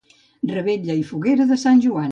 Revetlla i foguera de sant Joan.